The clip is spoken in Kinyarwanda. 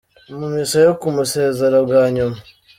Mu misa yo kumusezera bwa nyuma.